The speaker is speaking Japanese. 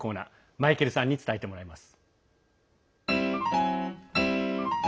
マイケルさんに伝えてもらいます。